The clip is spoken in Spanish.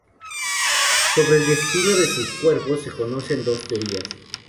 Sobre el destino de sus cuerpos se conocen dos teorías.